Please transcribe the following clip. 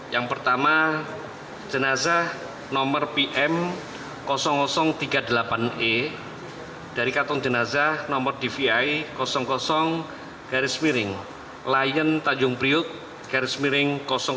yang pertama jenazah nomor pm tiga puluh delapan e dari katon jenazah nomor dvi garis miring lion tanjung priuk garis miring dua